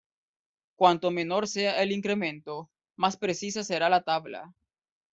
Cuanto menor sea el incremento, más precisa será la tabla.